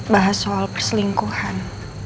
bahas soal perselingkuhan